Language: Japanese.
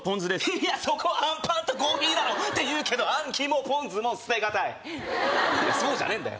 いやそこはあんパンとコーヒーだろって言うけどあん肝ポン酢も捨てがたいそうじゃねえんだよ